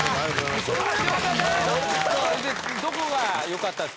どこがよかったですか？